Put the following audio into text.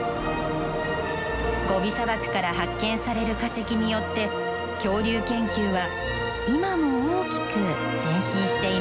ゴビ砂漠から発見される化石によって恐竜研究は今も大きく前進しています。